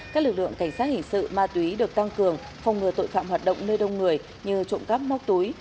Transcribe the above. các lực lượng cảnh sát hình sự ma túy được tăng cường phòng ngừa tội phạm hoạt động nơi đông người như trộm cắp móc túi